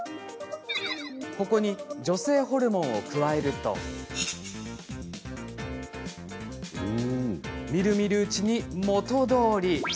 ここに女性ホルモンを加えるとみるみるうちに元どおりに。